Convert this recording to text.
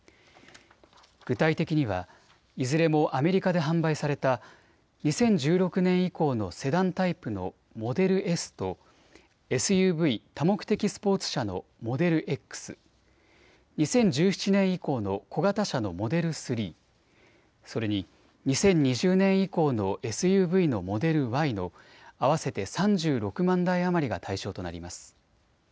具体的にはいずれもアメリカで販売された２０１６年以降のセダンタイプのモデルＳとＳＵＶ・多目的スポーツ車のモデルＸ、２０１７年以降の小型車のモデル３、それに２０２０年以降のＳＵＶのモデルＹの合わせて３６万台余りが対象となります。